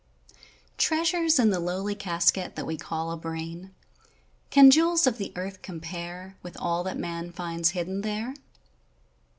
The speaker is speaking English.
Treasures in the lowly casket that we call a brain, Can jewels of the earth compare With all that man finds hidden there?